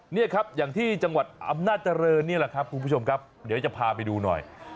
นี่ครับอย่างที่จังหวัดอำนาจริงนี่แหละครับคุณผู้ชมครับเดี๋ยวจะพาไปดูหน่อย